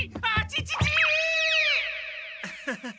アハハハハ。